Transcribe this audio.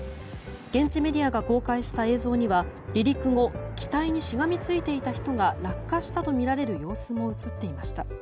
現地メディアが公開した映像には離陸後機体にしがみついていた人が落下したとみられる様子も映っていました。